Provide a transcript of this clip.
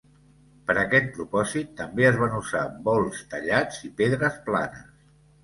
Per aquest propòsit també es van usar bols tallats i pedres planes.